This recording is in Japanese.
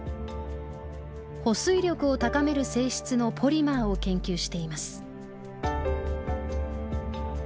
保水力を高める性質のポリマーを研究しています。